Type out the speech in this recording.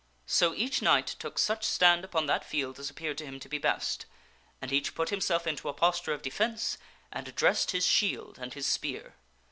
'' So each knight took such stand upon that field as appeared to him to be best, and each put himself into a posture of defence and dressed his shield and his spear.